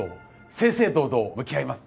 正々堂々向き合います」